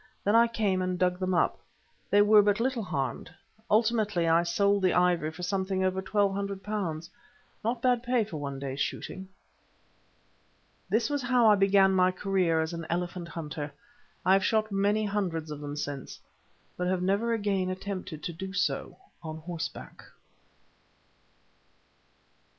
Then I came and dug them up; they were but little harmed. Ultimately I sold the ivory for something over twelve hundred pounds—not bad pay for one day's shooting. This was how I began my career as an elephant hunter. I have shot many hundreds of them since, but have never again attempted to do so on horseback.